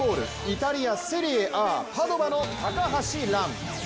イタリア・セリエＡパドバの高橋藍。